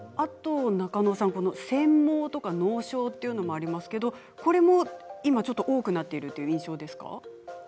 せん妄とか脳症というのもありますけどこれも今、ちょっと多くなっているという印象ですか？